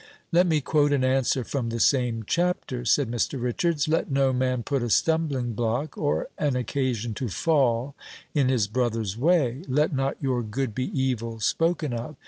"Let me quote an answer from the same chapter," said Mr. Richards. "'Let no man put a stumbling block, or an occasion to fall, in his brother's way; let not your good be evil spoken of.